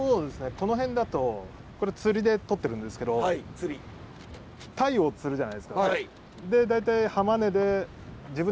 この辺だとこれ釣りでとってるんですけどタイを釣るじゃないですか。